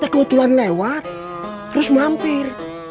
kebetulan lewat terus mampir